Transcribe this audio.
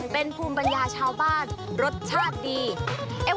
เป็นภูมิปัญญาชาวบ้านรสชาติดี